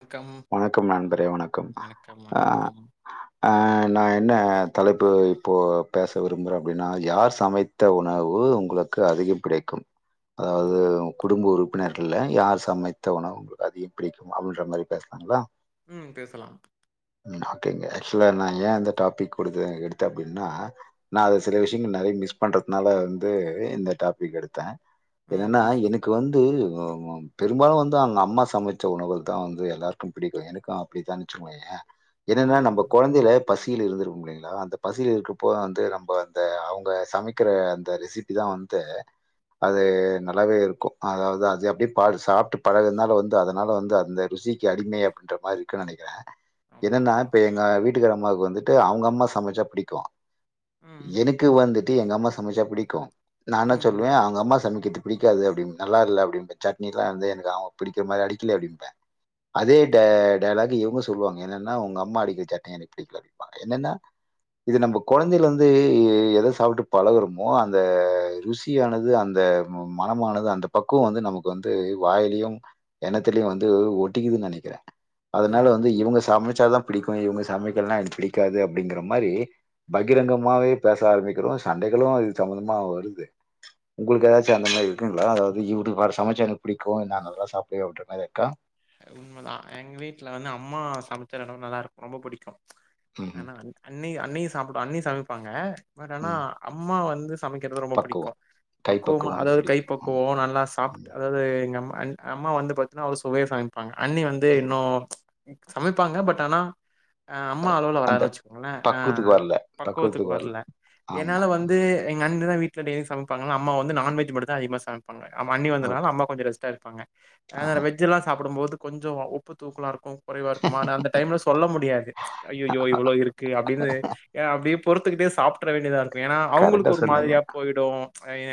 வணக்கம், வணக்கம் நண்பரே வணக்கம் அ ஆ நா என்ன தலைப்பு இப்போ பேச விரும்புறே அப்டின்னா யார் சமைத் த உணவு உங்ளுக்கு அதிகம் கிடைக்கும் அதாவ்து ஓகே. உங் குடும்ப உறுப்பினர்கள்ல யார் சமைத்த உணவு உங்ளுக்கு அதிகம் பிடிக்கும் அப்டின்ற மாரி பேசலாங்களா ம் பேசலாம் ம் ஓகேங்க ஆக்சுவலா நா ஏ இந்த டாபிக் குடுத்தே எடுத்தே அப்டின்னா நா அது சில விஷயங்கள் நெறைய மிஸ் பண்றதுனால வந்து இந்த டாபிக் எடுத்தே ம், என்னன்னா ம், எனக்கு வந்து பெரும்பாலு வந்து அவங்க அம்மா சமைச்ச உணவு தா வந்து எல்லாருக்கு பிடிக்கு எனக்கு அப்டித்தா வெச்சுகோயே என்னன்னா ம், நம்ப ம். கொழந்தைல பசியில் இருந்திருக்கு இல்லீங்கலா அந்த பசியில இருக்கப்போ வந்து நம்ப வந்து அவங்க சமைக்கற அந்த ரெசிபி இதா வந்து அது நல்லாவே இருக்கு அதாவது அது அப்டியே [unintelligible] சாப்ட்டு பழகுதுனால வந்து அதனால வந்து அந்த ருசி அடிமை அப்பின்ற மாரி இருக்கு நெனைக்கிறே ஆமா, என்னன்னா ஆமா. இப்ப எங்க வீட்டுக்கார அம்மாவுக்கு வந்துட்டு அவங்க அம்மா சமைச்சா புடிக்கு ம், எனக்கு வந்துட்டு எங்க அம்மா சமைச்சா புடிக்கு நா என்னா ம், சொல்வே ம், அவங்க அம்மா சமைக்கிறது பிடிக்காது அப்டின் நல்லா இல்ல அப்டிப்பே சட்னி எல்லா வந்து எனக்கு அவங்க பிடிகிற மாரி அரைக்கல அப்டிம்பே அதே ட டயலாக் இவங்க சொல்லுவாங்க என்னன்னா உங்க அம்மா அரக்கிற சட்னி எனக்கு பிடிக்கல அப்டிப்பாங்க என்னன்னா இது நம்ம குழந்தையிலந்து எத சாப்ட்டு பழகுறோமோ அந்த ருசி ருசியானது அந்த மனமானது அந்த பக்குவம் வந்து நமக்கு வந்து வாயிலையு எண்ணத்தலயு வந்து ஒட்டிக்குதுனு நெனைக்கிறே அதனால ம், வந்து ம். இவங்க சமைச்சாதா புடிக்கு இவங்க ச மைக்கலனா என்கு பிடிக்காது அப்டிங்கிற மாரி பகிரங்கமாவே பேச ஆரம்பிக்கிறோ சண்டைகளு அது சம்பந்தமா வருது உங்ளுக்கு ஏதாச்சு அந்த மாரி இருக்குங்களா அதாவது இவர் சமைச்சா எனக் பிடிக்கு நா நல்லா சாப்டுவே அப்பிடின்ற மாரி இருக்கா உண்மதா எங் வீட்ல வந்து அம்மா சமைக்கிறது நல்லாருக்கு ரொம்ப பிடிக்கு ம்ஹ்ம். ஆனா அ அண்ணி அண்ணி சாப்ட அண்ணி சமைப்பாங்க பட் ஆனா ம். அம்மா வந்து சமைக்கிறது ரொம்ப புடிக்கு பக்குவம். பக்குவமா கைப்பக்குவம் வந்து அதாவது கை பிடிக்கும். ம், பக்குவம் நல்லா ம். சாப்ட்டு அதாவது எங்க அம்மா வந்து பாத்தீங்கனா ஒர் சுவையா சமை ப்பாங்க அண்ணி வந்து இன்னு சமைப்பாங்க பட் ஆனா அம்மா அளவுல அந்த வராதுன்னு வெச்சுக்கோங்ளே ஆ பக்குவத்துக்கு வரல. பக்குவத்துக்கு வரல. வர்ல என்னால ஆமா. வந்து எங்க அண்ணி தா வீட்ல டெய்லி சமைப்பாங்க அம்மா வந்து நான்வெஜ் மட்டுந்தா அதிகமா சமைப்பாங்க அண்ணி ஓகே. வந்தனால அம்மா கொஞ்ச ரெஸ்ட் இருப்பாங்க ஆஹா. அது வெஜ் எல்லா சாப்பிடும்போது கொஞ்சோ உப்பு தூக்கலா இருக்கு குறைவா இருக்குமா அந்த டைம்ல சொல்ல முடியாது ஐய்யோயோ இவ்ளோ இருக்கு அப்டின்னு அப்டியே பொறுத்துக்கிட்டே சாப்ட்ர வேண்டியதா இரு இப் ஏன்னா கரெக்ட்டா அவுங்களுக்கு ஒரு சொன்னீங்க. மாரியா போயிடும்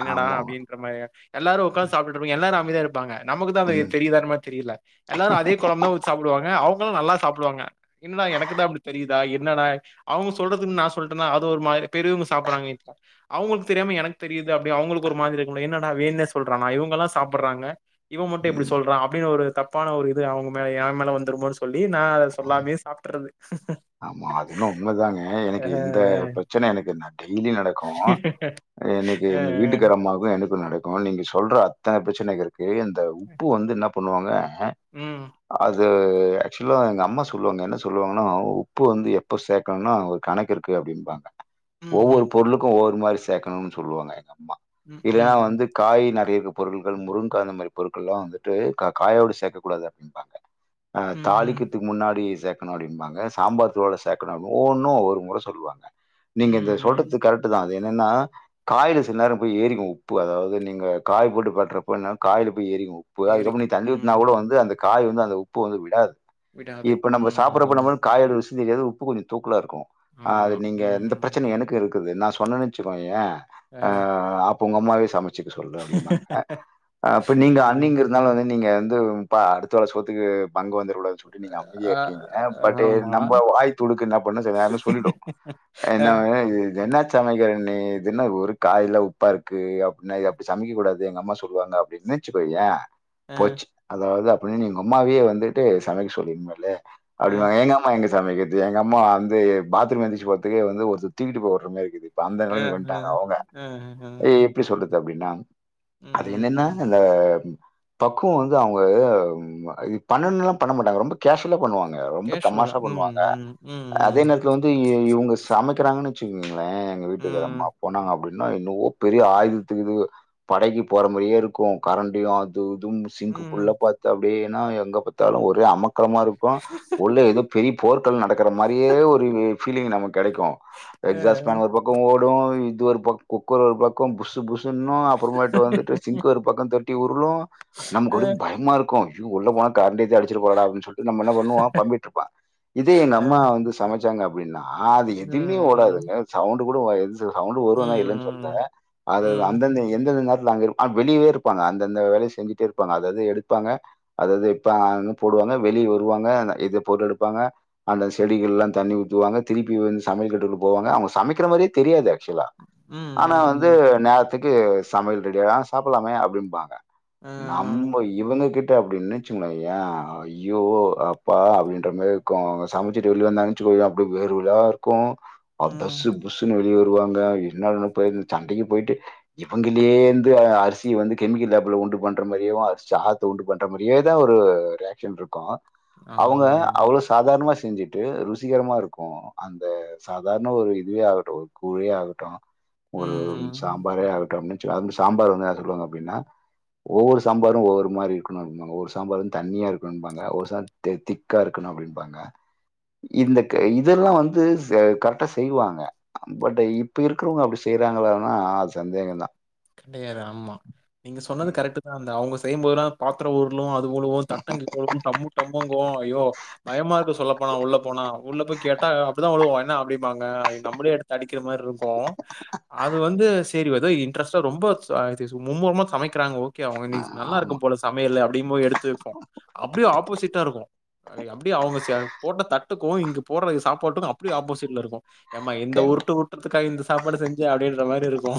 என்னடா ஆமாமா. அப்டின்னு ன்ற மாரி எல்லாரும் உக்காந்து சாப்பிட்டு இருப்பங்க எல்லாரும் அமைதியா இருப்பாங்க நமக்குதான் அந்த ம். இது தெரியிதா மாரி தெரில எல்லாரும் அதே கொழம்புதா ஊத்தி சாப்டுவாங்க அவுங்களும் நல்லா சாப்டுவாங்க என்னடா எனக்கு தா அப்புடி தெரியுதா என்னடா அவுங்க சொல்றதுன்னு நா சொல்றேனா அது ஒரு பெரியவுங்க சாப்புறாங்க இப்போ அவுங்களுக்கு தெரியாம எனக்கு தெரியுது அப்படி அவங்களுக்கு ஒரு மாதிரி இருக்கும்ல என்னடா வேணுணே சொல்றானா இவுங்கல்லாம் சாப்புட்றாங்க இவன் மட்டும் எப்புடி ம். சொல்றான் அப்புடின்னு ஒரு தப்பான ஒரு இது அவுங்க மேல என் மேல வந்துருமோ சொ சொல்லி நா அத சொல்லாமே சாப்புட்றது மா அதுன்னும் உண்மதாங்க எனக்கு இந்த பிரச்சன எனக்கு நா டெய்லி நடக்கும் அ இன்னக்கி அ எங்க அ வீட்டுக்காரொ அம்மாக்கு எனக்கும் நடக்கும் நீங்க சொல்ற அத்தன பிரச்சனை இருக்கு இந்த உப்பு வந்து என்ன பண்ணுவாங்க ம் அது ஆக்சுவலா எங்க அம்மா சொல்லுவாங்க என்ன சொல்லுவாங்கன்னா உப்பு வந்து எப்போ சேக்கணும்னா ஒரு கணக்கு இருக்கு அப்டின்ப்பாங்க ஒவ்வொரு ம் பொருளுக்கும் ஒவ்வொரு மாரி சேக்கணும்னு சொல்லுவாங்க எங்க அம்மா ம் ம் இல்லன்னா ம் வந்து காய் நறைய இருக்க பொருள்கள் முருங்கா அந்த மாரி பொருட்கள்ளெல்லாம் வந்துட்டு கா காயோட சேக்கக்கூடாது இன்பாங்க அ ம் ம் தாலிக்கத்துக்கு முன்னாடி சேக்கணும் அப்புடிம்பாங்க சாம்பார் தூளோட சேக்கணும் ஒவ்வொன்னும் ஒவ்வொரு முற சொல்லுவங்க நீங்க ம் இந்த ம் சொல்றது கரெக்ட் தா அது என்னன்னா காய்ல சில நேரம் போய் ஏரிக்கும் உப்பு அதாவது நீங்க காய் போட்டு பெறட்டுறப்ப என்ன காய்ல போய் ஏறிக்கும் உ ப்பு அதுக்கப்புறம் நீ ஏறிக்கும் தண்ணி ம் ஊத்துனா கூட ம் வந்து அந்த காய் வந்து அந்த உப்பு வந்து விடாது விடாது இப்ப நம்ம சாப்பிடுறப்ப ம் நம்மளுக்கு காயோட ருசி தெரியாது உப்பு கொஞ்சம் தூக்கலா இருக்கும் அது ஆமா நீங்க இந்த ம் பிரச்சன எனக்கு இருக் குது நா சொன்னேன்னு வச்சுக்கோயே அ அப்போ உங்க அம்மாவே சமைச்சுக்க சொல்லு அப்புடிம்பாங்க அப்ப அ நீங்க அண்ணிங்ற துனால வந்து நீங்க வந்து பா அடுத்த வேல சோத்துக்கு பங்கு வந்திடக்கூடாதுன்னு சொல்லி நீங்க அமைதியாக அ இருக்கீங்க பட்டு ஆமா நம்ம வாய் துடுக்கு என்ன பண்ணும் சொல்லிடும் அ என்ன து இது என்ன சமைக்கிற இதுன்ன ஒரு காய்லா உப்பா இருக்கு அப்புடின்னா எப் இப்டி சமைக்கக்கூடாது எங்க அம்மா சொல்வாங்க அப்டின்னு வச்சுக்கோயன் அ அ போச்சு அதாவ்து அப்டின்னு நீங்க உங்க அம்மாவே வந்துட்டு சமைக்க சொல்லு இனிமேலு அ அப்புடிம்பாங்க எங்க அம்மா எங்க சமக்கிறது எங்க அம்மா வந்து பாத்ரூம் எந்திருச்சு போறத்துக்கே வந்து ஒருத்த தூக்கிட்டு போடுற மாரி இருக்குது இப்ப அந்த அஹ அஹ எப்புடி சொல்றது அப்புடின்னா அது என்னன்னா ம் இந்த பக்குவம் வந்து அவுங்க பண்ணணுல்லாம் பண்ண மாட்டாங்க ரொம்ப கேஷீவல்லா பண்ணுவாங் க ரொம்ப கேஷுவலா தமாஷா ம் ம் பண்ணுவாங்க ம் அதே நேரத்துல வந்து இவுங்க சமைக்கிறாங்கன்னு வச்சுக்கங்களன் எங்க ம் வீட்டுக்காறம்மா ம் போனாங்க அப்புடி ன்னா இன்னவோ பெரிய ஆயுதத்துக்கு படைக்கு போற மாரியே இருக்கும் கரண்டியும் அது இதுவும் சிங்கு ம் புள்ள பாத்து அப்புடியேனா எங்க பாத்தாலும் ஒரே அமக்களமா இருக்கும் உள்ள ஏதோ பெரிய போர்கள் நடக்கற மாரியே ஒரு ஃபீலிங் நமக்கு கெடைக்கும் எக்ஸாஸ் ஆ, ஃபேன் ஒரு பக் கொ ஓடும் இது ஒரு பக் குக்கர் ஒரு பக்கொ புசு புசுன்னும் அப் அப்புறமேட்டு வந்துட்டு சிங் ஒரு பக்கம் கட்டி உருளு நமக்கு ஆ, அப்டி பயமா இருக்கும் ஜயோ உள்ள போன கரண்டிய அடிச்ச போவுதுனு சொல்ல நம்ம என்ன பண்ணுவோ பம்பிட்டு இருப்ப இதே எங்க ஆ, அம்மா வந்து சமைச்சாங்கனா அப்டின்னா அது எதுவுமே ம், ம், ஓடாதுங்க சவுண்ட் கூட ஓயாது இது சவுண்ட் வரு தா இல்லன்னு சொல்லல ம், அது ம், அந்தந்த எந்தந்த நேரத்துல அங்க இரு வெளியே இருப்பாங்க அந்தந்த வேலைய செஞ்சிட்டே இருப்பாங்க அத அது எடுப்பாங்க அதாவது இப்ப [unintelligible] போடுவாங்க வெளி வருவாங்க இது போட் எடுப்பாங்க அந்த செடிகள்ல்லா தண்ணி ஊத்துவாங்க திருப்பி வந்து சமையல் கட்டுக்குள்ள போவாங்க அவுங்க சமைக்கிற மாரியே தெரியாது ஆக்சுவலா ம் ம் ஆனா வந்து நேரத்துக்கு சமையல் ரெடி அ சாப்பட்லாமே அப்டிம்பாங்க நம்ம இவுனுககிட்ட அப்டி நின்னுச்சுன் வைய்யே அ அய்யோ அப் பாடா அப்டின்ற மேரி இருக்கு அவுங்க சமைச்சுட்டு வெளிய வந்தாகன் வெச்சுகோய அப்டியே வேர்வையா இருக்கு அ தஸ்சு ம். புஸ்ன் வெளியே வருவாங்க என்னடான் போய் சண்டைக்கு போயிட்டு இவங்கிளியேருந்து அ அரிசி வந்து கெமிக்கல் லேப்புல உண்டு பண்ற மாரியாவு அரிசி ஆத்த உண்டு ண்டு பண்ற மாரியேதா ஒரு ரியாக்ஷன் இருக்கு அவுங்க ஆமா ஆமா. அவ்ளோ சாதாரணமா செஞ்சுட்டு ருசிகரமா இருக்கு அந்த சாதாரணமா ஒரு இட்லியே ஆகட்டு ஒரு கூழே ஆகட்டு ஒரு ம். சாம்பாரே ஆகட்டு அப்டின்ச்சுக்கோ அது வந் சாம்பார் வந்து என்ன சொல்லுவாங்க அப்டின்னா ஒவ்வொரு சாம்பாரு ஒவ்வொரு மாரி இருக்கணும்பாங்க ஒரு சாம்பார் தண்ணியா இருக்கணும்ப்பாங்க ஒரு சா தே திக்கா இருக்கணு அப்டின்பாங்க இந்த க இதெல்லா வந்து ச கரெக்டா செய்வாங்க பட் இப்ப இரு ருக்கறவங்க அப்டி செய்ராங்காளானா அது சந்தேகந்தா கெடையாது ஆம்மா நீங்க சொன்னது கரெக்ட்டு தா அந்த அவுங்க செய்யும்போதெல்லா பாத்ரோ உருளு அத் து உழுவு தட்டங்கிட்ட உழுகு டம்மு டம்முங்கு ஐயோ பயமா இருக்கு சொல்லப் போனா உள்ள போனா உள்ள போய் கேட்டா அப்டிதா உழுவோ என்ன அப்டிம்பாங்க நம்ளே எடுத் அடிக்கிற மார் ருக்கு அது வந்து செரி எதோ இ இன்ட்ரெஸ்ட்டா ரொம்ப ச மும்முரமா சமைக்கிறாங்க ஓகே அவுங்க அ இன்னிக் நல்லா ஆமா. இருக்கும் போல சமையலு அப்டின் போய் எடுத்து வெப்போ அப்டியே ஆப்போசிட்டா இருக்கு அ அப்டியே அவுங்க சே போட்ட தட்டுக்கு இங்க போட்ற சாப்பாட்டுக்கு அப்டியே ஆப்போசிட்ல இருக்கு ஏம்மா இந்த கண் உருட்டு உருட்டுறதுக்கா இந்த சாப்பாடு செஞ்சு அப்டின்ற மாரி இருக்கு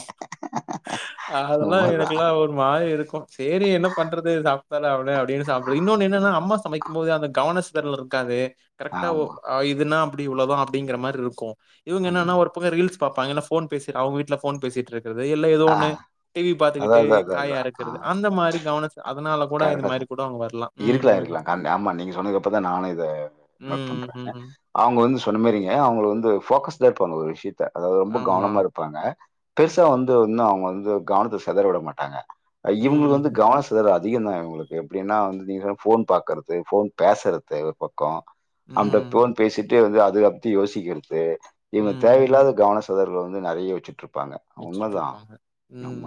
அதெல்லா உண்மதான். எனக்கெல்லா ஒரு மாரி இருக்கு சேரி என்ன பண்றது சாப்டு தான ஆவனு அப்டினு சாப்டுவ இன்னொனு என்னன்னா அம்மா சமைக்கும் போது அந்த கவனஸ் சிதறல் இருக்காது கரெட்டா ஒ ஆமா. அ இதுனா அப்டி இவ்ளோதா அப்டிங்கிற மார் ருக்கு இவங் என்னன்னா ம். ஒரு பக்க ரீல்ஸ் பாப்பாங்க இல்னா ஃபோன் பேசிர் அவுங்க வீட்ல ஃபோன் பேசிட்ருக்கறது இல்ல ஏதோ ஆ ஒன்னு டி வி அதான் பாத்துகிட்டே அதான் அதான் காய அறுக்கறது அந்த மாரி கவன சி அதனால கூட இந்த கரெக்டா மாரி சார் கூட அவங்க வரலாம். ம், இருக்லா ம். இருக்லா க ஆமா நீங்க சொன்னதுக்கு அப்றதா நானு இத நோட் பண்ற ம், ம். அவுங்க வந்து சொன்ன மாரிங்க அவுங்க வந்து ஃபோகஸ்டா இருப்பாங்க ஒரு விஷ்யத்த அதாவது ரொம்ப ஆமா. கவனமா இருப்பாங்க பெருசா வந்து ஒன்னு அவுங்க வந்து கவனத்த செதற விட மாட்டாங்க அ ம், இவுங்குளுக் வந்து ம். கவன செதறாது அதிகந்தா இவுங்குளுக்கு எப்டின்னா வந்து நீங்க ஃபோன் பாக்கற்து ஃபோன் பேசர்து ஒரு பக்கோ அந்த ம், ம். ஃபோன் பேசிட்டே வந்து அதுகப்தி யோசிக்கிறது ம், இவுங்க ம். தேவையில்லாத கவன செ செதறல் வந்து நெறைய வெச்சுட்ருப்பாங்க வெச்சிட்ருப்பாங்க ம்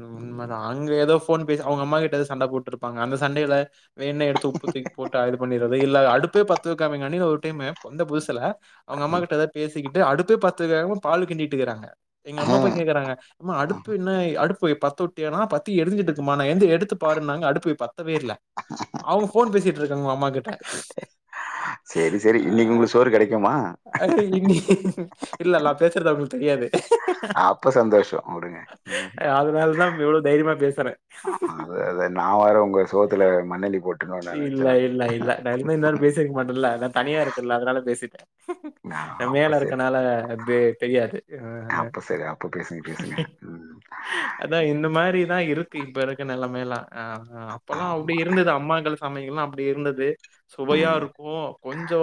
ம் உண்மதா அ அங்க ஏதோ ஃபோன் பேசி அவுங்க அம்மா கிட்ட எத சண்ட போட்டிருப்பாங்க அந்த சண்டையில வேணுனே எடுத்து உப்பு தூக் போட்டு அ இது பண்ணிறது இல்ல அடுப்பே பத்த வெக்காமேங்காண்டி ஒரு டைமு வந்த புதுசுல அவுங்க அம்மா ம். கிட்ட எத பேசிக்கிட் டு அடுப்பே பத்தவைகாம பால்லு கிண்டிட்றிக்கறாங்க எங்க அம்மா போய் அஹ், கேக்கறாங்க ஏம்மா அடுப்பு என்ன அடுப்பு பத்துட் த்தியானா பத்தி எரிஞ்சிட்ருக்குமா [unintelligible] எங்க எடுத்து பாருன்னாங்க அடுப்பு பத்தவே இல்ல அவுங்க ஃபோன் பேசிட் ருக்காங்க அம்மா கிட்ட சேரி சேரி இன்னிக் உங்குளுக் சோறு கெடைக்குமா இல்லல் லா பேசறது அவுங்களுக் தெரியாது அப்ப சந்தோஷோ உடுங்க ம் அதனால தான் இவ்ளோ தைரியமா பேசுறாங்க. ஆ அத நா வேற உங்க சோத்துல மண்ணல்லி போட் இல்ல இல்ல இல்ல டைமே இருந்தாலு பேசிக்க மாட்டேன்ல்ல அதா தனியா இருக்கல்ல அதனால பேசிட்டே நான் நா அப்ப மேல சரி. இருக்கனால அப்டியே தெரியாது அ அ அப்ப சரி. அப்ப பேசுங்க, பேசுங்க. ம். அதா இந்த மாரிதா இருக்கு இப்ப இருக்க நிலமையெல்லா அ அ அப்பல்லா ஆமா. அப்டி இருந்தது அம்மாங்கள் கொழந்தைகல்லா அப்டி இருந்தது சுவையா ம் இருக்கு கொஞ்சோ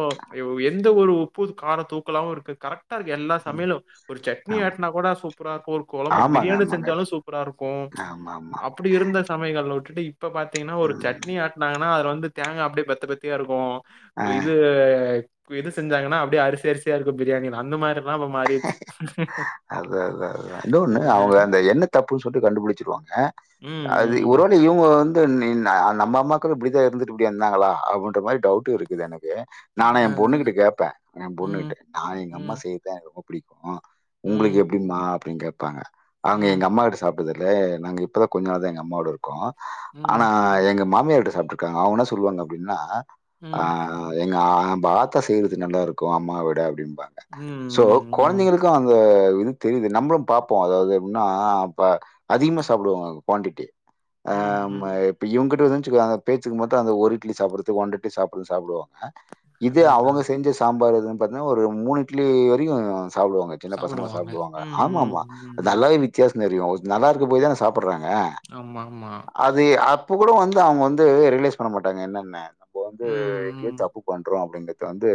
எந்த ஒரு உப்பு கார தூக்கலாவு இருக்கு கரெக் டா இருக்கு எல்லா ம் சமயலு ஒரு சட்னி ஆமா ஆட்டினா கூட சூப்பரா இருக்கு ஒரு கொலம்பு ஆமாங்க, பிரியாணி ஆமாங்க. செஞ்சாலு சூப்பரா இருக்கு ஆமா ஆமா அப்டி இருந்த சமயலகள் விட்டுட்டு இப்ப பாத்தீங்கன்னா ஒரு ம். சட்னி ஆட் ஆட்டுனாங்கன்னா அதுல வந்து தேங்கா அப்டியே பத்த பத்தயா இருக்கு ஆ இது இது செஞ்சாங்கன்னா அப்டியே அரிசி அரிசியா இருக்கு பிரியாணி அந்த மாரி எல்லா இப்ப மாறிடுச்சு அது அதுதா அதுதா இன்னொண்ணு ஆஹ. அவுங்க அந்த என்ன தப்புன்னு சொல்லிட்டு கண்டுபிடிச்சிருவாங்க ம், அது ம். ஒருவ இவுங்க வந்து நி நா நம்ம அம்மாக்கள்ளு இப்டித்தா இருந்துட்டு இப்டி வந்தாங்களா அப்டின்ற மாரி டவுட்டு இருக்குது எனக்கு நா ஆன ஆ. என் பொண்ணுகிட்ட கேட்பே என் ம், பொண்ணுகிட்ட நா எங்க அம்மா ம், செய்யதுத எனக்கு ரொம்ப புடிக்கு உங்களுக்கு ம், எப்டிமா அப்டின்னு கேக்ப்பாங்க அவுங்க ம், எங்க அம்மா விட்டு சாப் டுகே நாங்க இப்பதா கொஞ்ச நாள் தா எங்க அம்மாவோட இருக்கோ ம், ஆனா ம், எங்க மாமியார்விட்ல சாப்ட்டு இருக்காங்க அவுங்க எனா சொல்லுவாங்க அப்டின்னா ஆ ம், எங்க அ நம்ப ஆத்த செய்யறது நல்லா இருக்கு அம்மா விட அப்டின்னுபாங்க சோ ம், குழந்தைங்களுக்கு ப்ப இது தெரியுது நம்மளு பார்ப்போ அதாவது எப்டின்னா அதிகமா சாப்டுவாங்க குவாடிட்டி ம், ம். ஆமா இப்ப இவங்கிட்ட வன்ச்சிக்கோங் பேச்சுக்கு மத்து அந்த ஒரு இட்லி சாப்புறது ஒரு இட்லி சாப்புற வந்துடு சாப்புடுவாங்க இது அதான், அவுங்க அதான். செஞ்ச சாம்பார் இதுன்னு பாத்தீங்கனா ஒரு மூணு இட்லி வரைக்கு சாப்புடுவாங்க சின்ன பசங்க சாப்பிடுவாங்க. சாப்புடுவாங்க ம், ஆமா ம், ஆமா ம், அது ம். நல்லாவே வித்தியாசோ தெரியு நல்லா இருக்கு போதே அத சாப்புறாங்க ஆமா ஆமா அது அப்ப கூட வந்து அவுங்க வந்து ரியலைஸ் பண்ண மாட்டாங்க என்னனு இப்ப வந்து ம், எங்கேயோ ம். தப்பு பண்றோ அப்டிங்கறத வந்து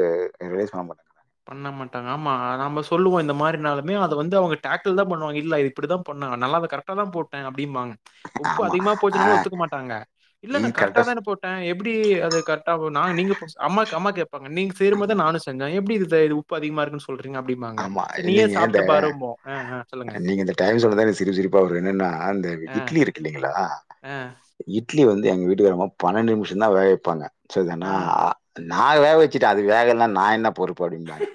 ரியலேஸ் பண்ண மாட்டங்க பண்ண மாட்டாங்க ஆமா நம்ம சொல்லுவோ இந்த மாரினாலுமே அத வந்து அவுங்க டேக்கள் தா பண்ணுவாங்க இல்ல இப்டித்தா பண்ணா நல்லாத கரெக் கரெக்டா தா போட்டே அப்டின்னு வாங்க உப்பு ஆமா. அதிகமா ஆ போசுனா கூட ஒத்துக்க மாட்டாங்க இல்ல இது கரெக்ட்டா சொ கரெக்ட்டதா போ அ எப்டி அது கரெட்டாகுனா நீங்க இப் அம்மாக்கு அம்மா கேப்பாங்க நீங்க செய்யற மாரி தா நானு செஞ்சே எப்டி இது அத்த இது உப்பு அதிகமா இருக்குன்னு சொல்றீங்க அப்டிங்க ஆமா. சரி நீயே நீங்க இந்த சாப்ட்டு பாருன் போ அ அ சொல்லுங்க நீங்க இந்த டைம் சொன்னதா சிரிப்பு சிரிப்பா வருது என்னன்னா அந்த ஆ, இட்லி இருக்கு இல்லங்களா ஆ, இட்லி வந்து எங்க வீட்டுக்காறமா பன்னெண்டு நிமிஷம் தா வேக வெப்பாங்க சேரி தானா ஆ. நா வேக வச்சுட்டே அது வேகலனா நா என்ன பொறுப்பு அப்டிபாங்க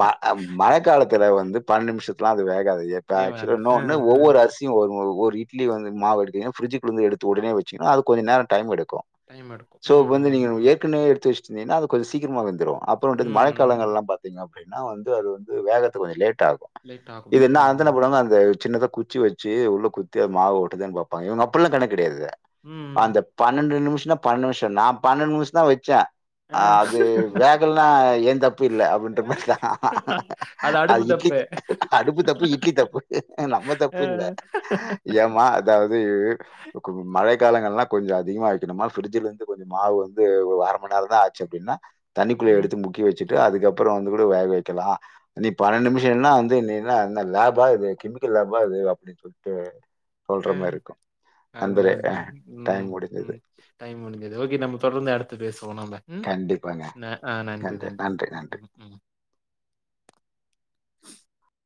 மா அ மழ காலத்துல வந்து பண்ணெண்டு நிமிஷத்துல எல்லா அது வேகாது ஆக்சுவலி வேவாது. ஆ, இன்னொனு ஆ. ஒவ்வொரு அரிசி ஓ ஓ ஒரு இட்லி வந்து மாவு எடுபிங்க வந்து எடுத்து உடனே வச்சீங்கா அது கொஞ்ச நேரோ டைம் எடுக்கு டைம் எடுக்கும். சோ ம், வந்து ம், நீங்க ம். ஏற்கனவே எடுத்து வச்சிந்தீங்கன்னா அது கொஞ்சோ சீக்கிரமா வெந்துடு அப் புறோ வந்து ம், ம். மழக்கலங்கள்யெல்லா பாத்திங்க அப்டினா வந்து அது வந்து வேகத்து கொஞ்சோ லேட் ஆகு லேட் ஆகும். இது என்ன ம், ம். அனந்தனபடு வாக அந்த சின்னதா குச்சி வச் ச்சி உள்ள குத்தி அது மாவு ஓட்டுதான்னு பாப்பாங்க இவுங்க அப்பில்லா கணக்கு கெடையாது ம். அந்த பன்னெண்டு நிமிஷம்ன்னா பன்னெண்டு நிமிஷம் நா பன்னெண்டு நிமிஷம் தா வச்ச ஆ அது வேகல்னா ஏன் தப்பு இல்ல அப்டின்ற மாரிதா அது அடுப்பு இட்லி தப்பு. அடுப்பு தப்பு இட்லி தப்பு நம்ம ஆ. தப்பு இல்ல ஏமா அதாவது மழை காலங்கள் எல்லா கொஞ்சோ அதிகமா வைக்கணும்ன பிரிட்ஜல இருந்து கொஞ்ச மாவு வந்து ஒரு அர மணி நேரம் தா ஆச் அப்டின்னா தண்ணிக்குள்ள ம். எடுத்து முக்கி வச்சுட்டு அதுக்கு அப்பறம் வந்து கூட வேகச்சு வைக்கலா நீ பன்னெண்டு நிமிஷம் என்ன வந்து லேபா இது கெமிக்கல் லேபா இது அப்டி சுட்டு சொல்ற ஆ. மாரி இருக்கு அதுதான், நண்பரே அதான். ம். டைம் முடிஞ்சது ம். டைம் முடிஞ்சது ஓகே நம்ம தொடர்ந்து அடுத்து பேசுவோ நம்ம ம் கண்டிப்பாங்க. அ நன்றி நன்றி ம் ம் [inaudible]